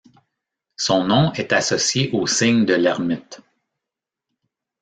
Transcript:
Son nom est associé au signe de Lhermitte.